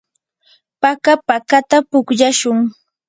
paka pakata pukllashun.